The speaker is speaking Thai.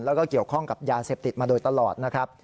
แล้วก็เกี่ยวข้องกับยาเสพติดมาโดยตลอดนะครับ